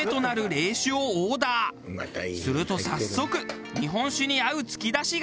すると早速日本酒に合うつきだしが。